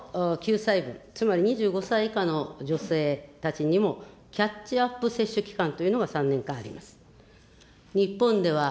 その上の救済、つまり２５歳以下の女性たちにも、キャッチアップ接種期間というのが３年間あります。